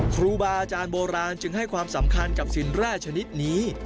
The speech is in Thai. ครูบาอาจารย์โบราณจึงให้ความสำคัญกับสินแร่ชนิดนี้